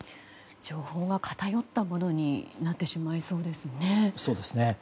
情報が偏ったものになってしまいそうですね。